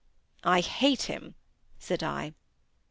"I hate him," said I.